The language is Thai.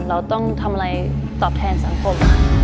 เราต้องทำอะไรตอบแทนสังคม